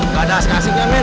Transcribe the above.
gak ada as kasing kan men